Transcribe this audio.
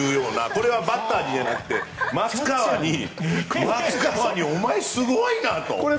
これはバッターにじゃなくて松川にお前、すごいな！と。